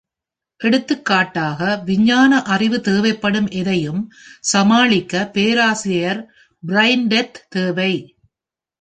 எடுத்துக்காட்டாக, விஞ்ஞான அறிவு தேவைப்படும் எதையும் சமாளிக்க பேராசிரியர் ப்ரைண்டெத் தேவை.